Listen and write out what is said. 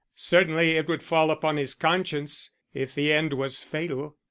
Certainly it would fall upon his conscience if the end was fatal.